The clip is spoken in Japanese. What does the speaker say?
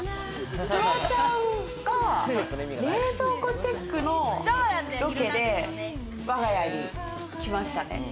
フワちゃんが冷蔵庫チェックのロケでわが家にきましたね。